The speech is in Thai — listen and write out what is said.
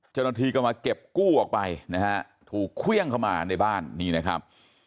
เจ้าหน้าที่ก็มาเก็บกู้ออกไปนะฮะถูกเครื่องเข้ามาในบ้านนี่นะครับ